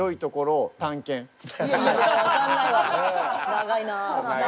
長いなあ。